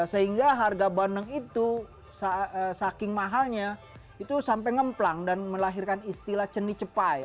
sehingga harga bandeng itu saking mahalnya itu sampai ngeplang dan melahirkan istilah ceni cepai